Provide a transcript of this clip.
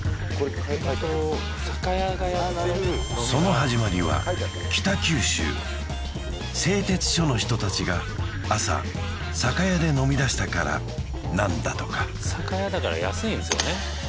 えーと酒屋がやってるその始まりは北九州製鉄所の人達が朝酒屋で飲みだしたからなんだとか酒屋だから安いんですよね